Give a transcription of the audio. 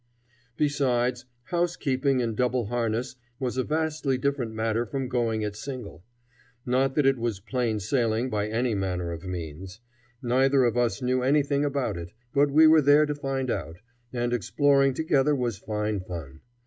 Besides, housekeeping in double harness was a vastly different matter from going it single. Not that it was plain sailing by any manner of means. Neither of us knew anything about it; but we were there to find out, and exploring together was fine fun.